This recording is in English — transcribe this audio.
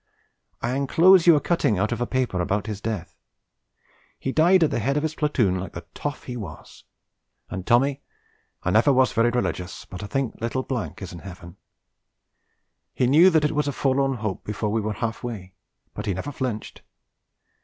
I enclose you a cutting out of a paper about his death. He died at the head of his platoon like the toff he was, and, Tommy, I never was very religious but I think little is in Heaven. He knew that it was a forlorn hope before we were half way, but he never flinched.